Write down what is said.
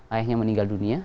ayahnya meninggal dunia